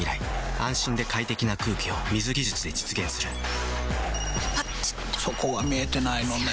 安心で快適な空気を水技術で実現するピピピッあっちょそこは見えてないのね。